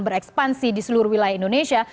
berekspansi di seluruh indonesia